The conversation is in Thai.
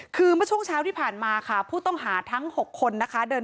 คือเมื่อช่วงเช้าที่ผ่านมาค่ะผู้ต้องหาทั้ง๖คนนะคะ